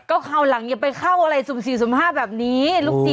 ก็เขาหลังอย่าไปเข้าอะไรสูบสีสูบห้าแบบนี้